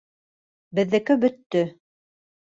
Беҙҙеке бөттө.